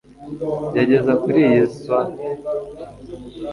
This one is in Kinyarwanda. Gerageza kuriyi swater